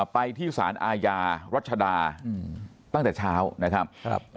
ไปที่สารอาญารัชดาตั้งแต่เช้านะครับ